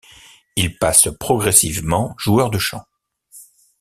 Il passe progressivement joueur de champ.